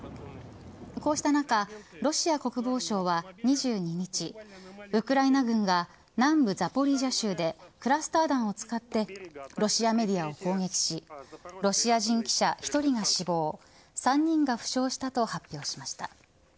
こうした中ロシア国防省は２２日ウクライナ軍が南部ザポリージャ州でクラスター弾を使ってロシアメディアを攻撃しロシア人記者１人が死亡３人が負傷したと発表しました。